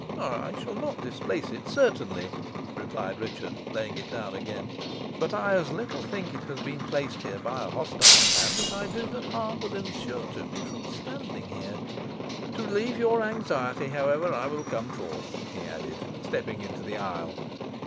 "I shall not displace it, certainly," replied Richard, laying it down again; "but I as little think it has been placed here by a hostile hand, as I do that harm will ensue to me from standing here. To relieve your anxiety, however, I will come forth," he added, stepping into the aisle.